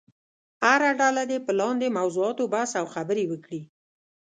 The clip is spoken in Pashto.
هره ډله دې په لاندې موضوعاتو بحث او خبرې وکړي.